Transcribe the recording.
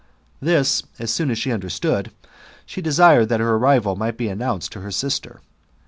This, as soon as she understood, she desired that her arrival might be announced to her sister.